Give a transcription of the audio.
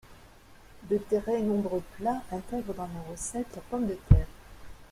De très nombreux plats intègrent dans leur recette la pomme de terre.